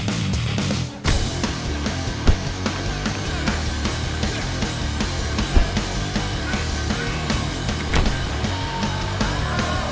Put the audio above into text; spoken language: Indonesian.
bang harus kuat bang